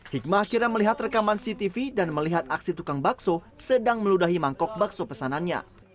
hikmah akhirnya melihat rekaman cctv dan melihat aksi tukang bakso sedang meludahi mangkok bakso pesanannya